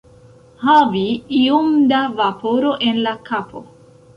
Havi iom da vaporo en la kapo.